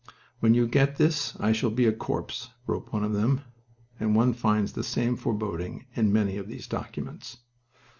"When you get this I shall be a corpse," wrote one of them, and one finds the same foreboding in many of these documents.